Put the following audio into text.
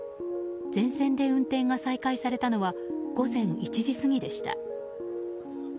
全線で運転が再開されたのは午前１時過ぎでした。